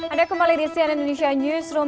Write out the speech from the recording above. ada kembali di sian indonesia newsroom